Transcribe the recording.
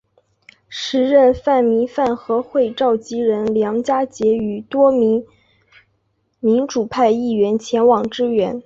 时任泛民饭盒会召集人梁家杰与多名民主派议员前往支援。